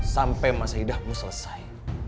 sampai masa idahmu selesai